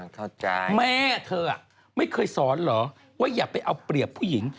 เข้าใจแม่เธอไม่เคยสอนเหรอว่าอย่าไปเอาเปรียบผู้หญิง